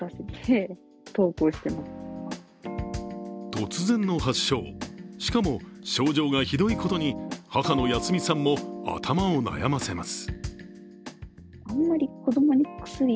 突然の発症、しかも症状がひどいことに母の恭美さんも頭を悩ませます。